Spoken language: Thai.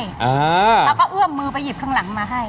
เขาก็เอื้อมมือไปหยิบข้างหลังมาให้